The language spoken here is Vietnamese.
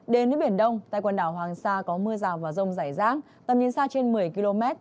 đến với biển đông tại quần đảo hoàng sa có mưa rào và rông rải rác tầm nhìn xa trên một mươi km